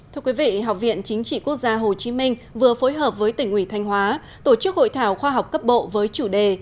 thưa quý vị học viện chính trị quốc gia hồ chí minh vừa phối hợp với tỉnh ủy thanh hóa tổ chức hội thảo khoa học cấp bộ với chủ đề